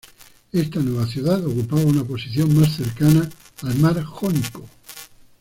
Esta nueva ciudad ocupaba una posición más cercana al mar Jónico.